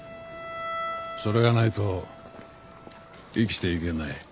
それがないと生きていけない。